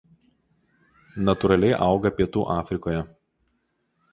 Natūraliai auga pietų Afrikoje.